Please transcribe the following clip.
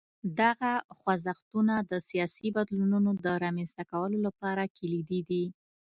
دغه خوځښتونه د سیاسي بدلونونو د رامنځته کولو لپاره کلیدي دي.